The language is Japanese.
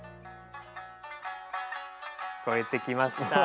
聞こえてきました。